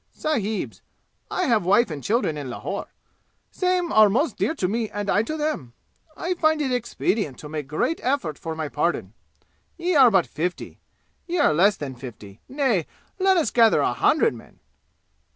"Sahibs, I have wife and children in Lahore. Same are most dear to me and I to them. I find it expedient to make great effort for my pardon. Ye are but fifty. Ye are less than fifty. Nay, let us gather a hundred men."